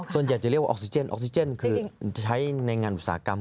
จะเรียกว่าออกซิเจนออกซิเจนคือจะใช้ในงานอุตสาหกรรม